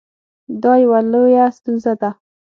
دا یوه لویه ستونزه ده